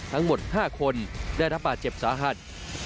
ทั้งหมด๕คนได้รับบาดเจ็บสาหัส